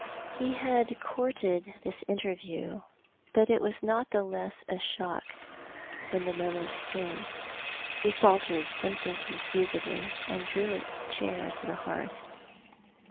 He had courted this interview, but it was not the less a shock when the moment came. He faltered something confusedly, and drew a chair to the liearth.